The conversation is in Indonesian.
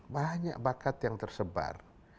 banyak bakat yang tersebar